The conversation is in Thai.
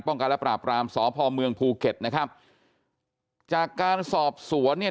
การและปราบรามสพเมืองภูเก็ตนะครับจากการสอบสวนเนี่ย